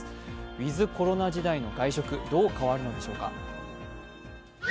ウィズ・コロナ時代の外食、どう変わるのでしょうか。